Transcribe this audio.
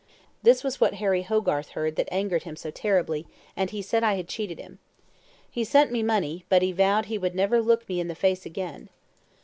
This was what Harry Hogarth heard that angered him so terribly, and he said I had cheated him. He sent me money, but he vowed he would never look me in the face again.